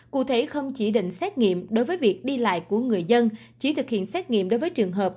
cụ thể không chỉ định xét nghiệm đối với việc đi lại của người dân chỉ thực hiện xét nghiệm đối với trường hợp